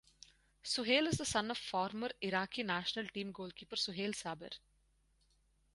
Suhail is the son of former Iraqi national team goalkeeper Suhail Saber.